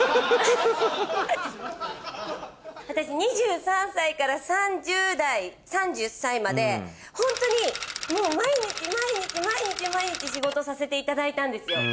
私２３歳から３０歳までホントにもう毎日毎日毎日毎日仕事させていただいたんですよ。